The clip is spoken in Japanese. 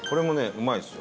うまいっすよ。